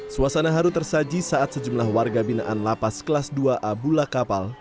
suasana haru tersaji saat sejumlah warga binaan lapas kelas dua a bula kapal